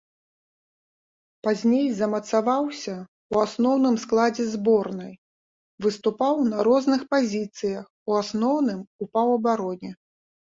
Пазней замацаваўся ў асноўным складзе зборнай, выступаў на розных пазіцыях, у асноўным у паўабароне.